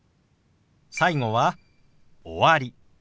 最後は「終わり」。